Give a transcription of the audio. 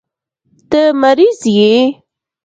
ته مريض يې.